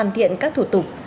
để hoàn thiện các thủ tục